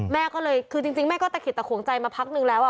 แม่ก็เลยคือจริงแม่ก็ตะขิดตะขวงใจมาพักนึงแล้ว